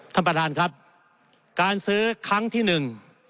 ท่านประธานครับการซื้อครั้งที่หนึ่ง